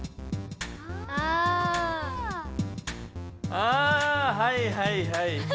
ああはいはいはい。